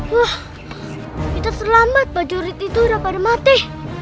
wah kita selamat pak julid itu udah pada mati